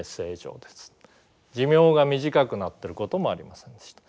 寿命が短くなってることもありませんでした。